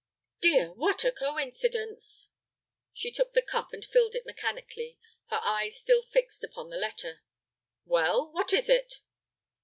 "Dear, what a coincidence!" She took the cup and filled it mechanically, her eyes still fixed upon the letter. "Well, what is it?"